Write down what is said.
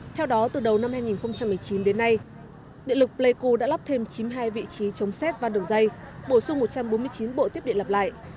theo đó từ đầu năm hai nghìn một mươi chín đến nay điện lực pleiku đã lắp thêm chín mươi hai vị trí chống xét và đường dây bổ sung một trăm bốn mươi chín bộ tiếp điện lặp lại